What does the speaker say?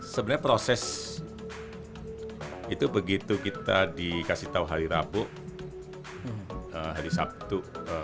sebenarnya proses itu begitu kita dikasih tahu hari rabu hari sabtu